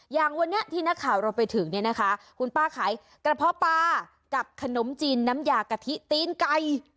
อย่างวันนี้ที่นักข่าวเราไปถึงเนี่ยนะคะคุณป้าขายกระเพาะปลากับขนมจีนน้ำยากะทิตีนไก่